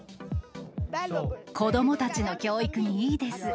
子どもたちの教育にいいです。